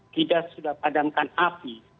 tidak sudah padamkan api